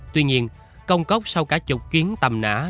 tuy nhiên công cốc sau cả chục chuyến tầm nã